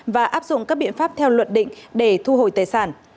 và áp dụng các biện pháp theo luật định để thu hồi tài sản